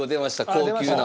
高級な。